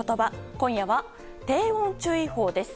今夜は低温注意報です。